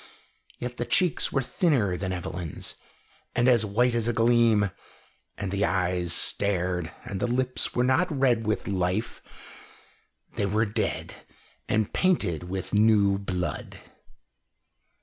Yet the cheeks were thinner than Evelyn's, and as white as a gleam, and the eyes stared, and the lips were not red with life; they were dead, and painted with new blood.